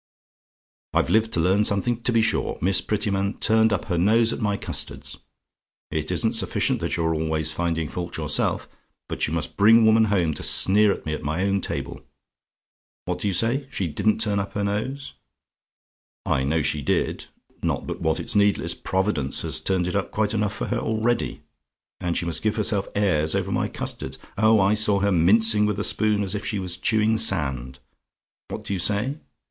"I've lived to learn something, to be sure! Miss Prettyman turned up her nose at my custards. It isn't sufficient that you are always finding fault yourself, but you must bring women home to sneer at me at my own table. What do you say? "SHE DIDN'T TURN UP HER NOSE? "I know she did; not but what it's needless Providence has turned it up quite enough for her already. And she must give herself airs over my custards! Oh, I saw her mincing with the spoon as if she was chewing sand. What do you say?